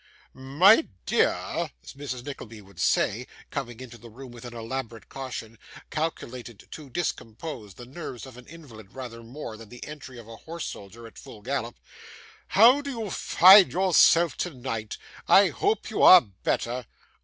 'My dear,' Mrs. Nickleby would say, coming into the room with an elaborate caution, calculated to discompose the nerves of an invalid rather more than the entry of a horse soldier at full gallop; 'how do you find yourself tonight? I hope you are better.